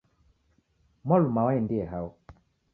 Mwaluma waendie hao?